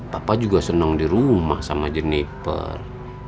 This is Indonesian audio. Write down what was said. papa juga seneng di rumah sama jeniper